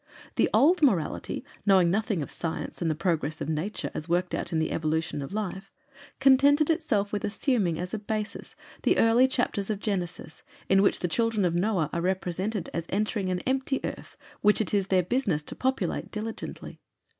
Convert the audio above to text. The old morality, knowing nothing of science and the process of Nature as worked out in the evolution of life, contented itself with assuming as a basis the early chapters of Genesis in which the children of Noah are represented as entering an empty earth which it is their business to populate diligently.